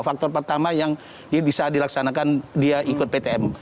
faktor pertama yang dia bisa dilaksanakan dia ikut ptm